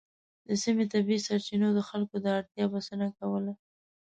د سیمې طبیعي سرچینو د خلکو د اړتیا بسنه کوله.